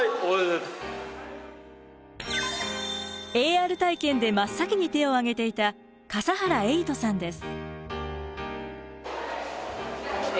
ＡＲ体験で真っ先に手を挙げていた今回と言います。